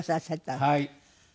はい。